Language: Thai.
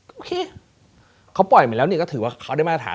โอเคเขาปล่อยมาแล้วนี่ก็ถือว่าเขาได้มาตรฐาน